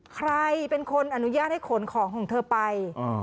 ใครเป็นคนอนุญาตให้ขนของของเธอไป